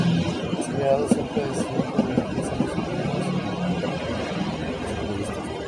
Ha creado cerca de ciento veinte ensayos científicos e impartido varias entrevistas.